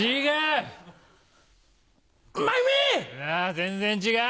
全然違う！